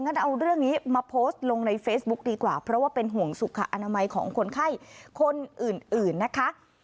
เอาเรื่องนี้มาโพสต์ลงในเฟซบุ๊กดีกว่าเพราะว่าเป็นห่วงสุขอนามัยของคนไข้คนอื่นนะคะ